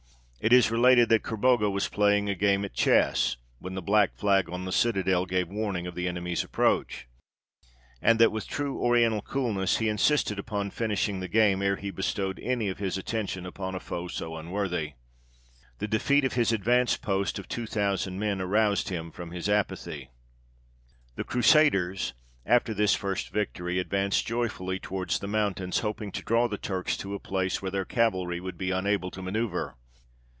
It is related that Kerbogha was playing a game at chess, when the black flag on the citadel gave warning of the enemy's approach, and that, with true oriental coolness, he insisted upon finishing the game ere he bestowed any of his attention upon a foe so unworthy. The defeat of his advanced post of two thousand men aroused him from his apathy. The Crusaders, after this first victory, advanced joyfully towards the mountains, hoping to draw the Turks to a place where their cavalry would be unable to manoeuvre.